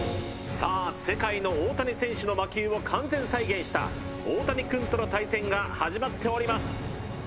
さあ世界の大谷選手の魔球を完全再現したオオタニくんとの対戦が始まっております